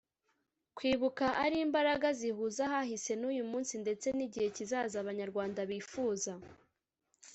kwibuka ari imbaraga zihuza ahahise n’uyu munsi ndetse n’igihe kizaza Abanyarwanda bifuza